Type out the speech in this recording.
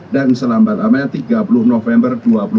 dan selambat amanya tiga puluh november dua ribu dua puluh tiga